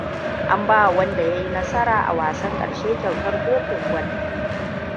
An bawa wanda ya yi nasara a wasan ƙarshe kyautar kofin gwal.